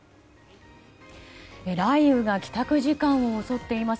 雷雨が帰宅時間を襲っています。